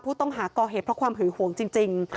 ผู้ต้องหาก่อเหตุเพราะความหึงห่วงจริง